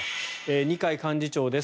二階幹事長です。